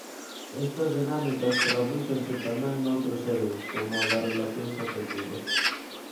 Estas dinámicas tradúcense tamén noutros eidos, como o das relacións afectivas.